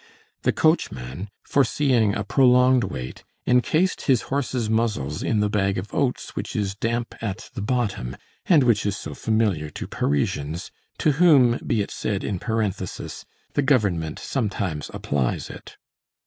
The coachman, foreseeing a prolonged wait, encased his horses' muzzles in the bag of oats which is damp at the bottom, and which is so familiar to Parisians, to whom, be it said in parenthesis, the Government sometimes applies it.